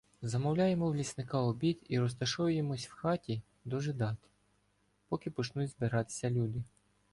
Замовляємо в лісника обід і розташовуємося в хаті дожидати, поки почнуть збиратися люди.